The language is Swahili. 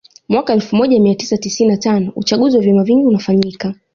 Mwaka elfu moja mia tisa tisini na tano Uchaguzi wa vyama vingi unafanyika